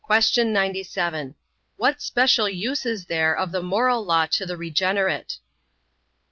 97. What special use is there of the moral law to the regenerate?